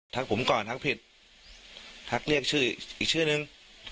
ผมก่อนทักผิดทักเรียกชื่ออีกชื่อนึง